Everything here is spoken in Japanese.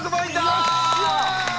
よっしゃー！